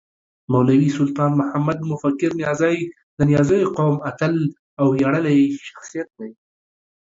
مولوي سلطان محمد مفکر نیازی د نیازيو قوم اتل او وياړلی شخصیت دی